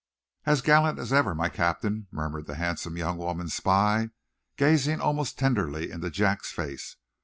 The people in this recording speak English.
"As gallant as ever, my Captain!" murmured the handsome young woman spy, gazing almost tenderly into Jack's face.